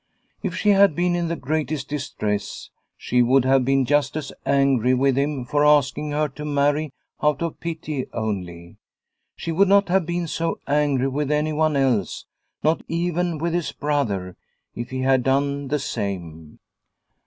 If she had been in the greatest distress she would have been just as angry with him for asking her to marry out of pity only. She would not have been so angry with anyone else, not even with his brother, if he had done the same.